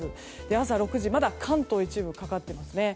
朝６時、まだ関東の一部かかってますね。